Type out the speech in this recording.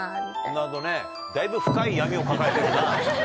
なるほどねだいぶ深い闇を抱えてるな。